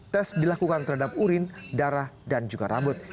tes dilakukan terhadap urin darah dan juga rambut